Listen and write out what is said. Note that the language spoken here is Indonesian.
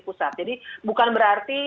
pusat jadi bukan berarti